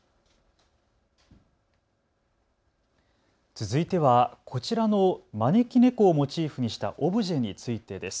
続いてはこちらの招き猫をモチーフにしたオブジェについてです。